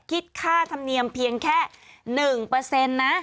คิดค่าธรรมเนียมเพียงแค่๑นะ